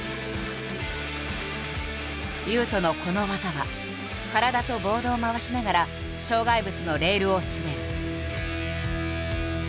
雄斗のこの技は体とボードを回しながら障害物のレールを滑る。